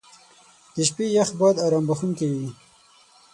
• د شپې یخ باد ارام بخښونکی وي.